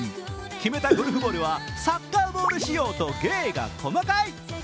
決めたゴルフボールはサッカーボール仕様と芸が細かい。